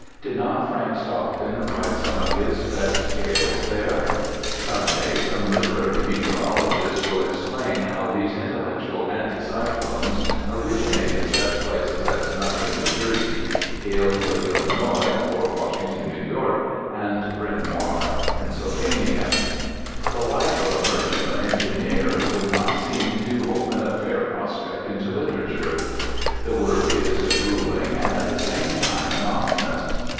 Did not Frank Stockton write some of his best tales there? Some day some literary meteorologist will explain how these intellectual anticyclones originate in such places as Nutley (N.J.), Galesburg (Ill.), Port Washington (N.Y.), and Bryn Mawr (Pa.) The life of a merchantman engineer would not seem, to open a fair prospect into literature. The work is gruelling and at the same time monotonous.